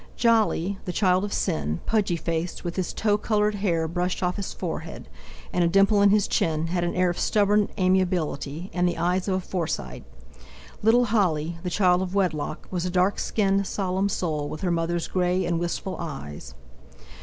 Jolly, the child of sin, pudgy faced, with his tow coloured hair brushed off his forehead, and a dimple in his chin, had an air of stubborn amiability, and the eyes of a Forsyte; little Holly, the child of wedlock, was a dark skinned, solemn soul, with her mother's grey and wistful eyes.